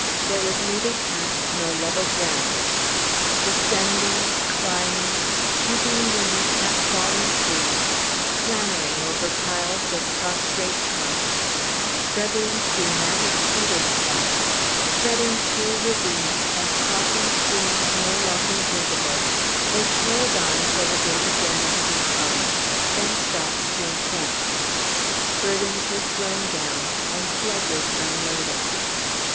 There was neither path nor level ground. Descending, climbing, stooping beneath half fallen trees, clambering over piles of prostrate trunks, struggling through matted cedar swamps, threading chill ravines, and crossing streams no longer visible, they toiled on till the day began to decline, then stopped to encamp. Burdens were thrown down, and sledges unladen.